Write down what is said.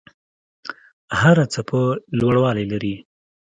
هره څپه لوړوالی لري.